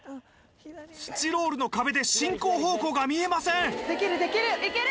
スチロールの壁で進行方向が見えませんできるできる！